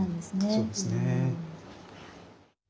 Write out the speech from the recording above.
そうですね。